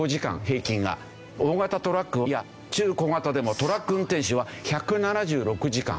大型トラックや中小型でもトラック運転手は１７６時間。